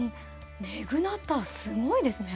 ネグナッターすごいですね。